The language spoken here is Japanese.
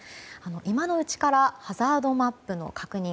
今のうちからハザードマップの確認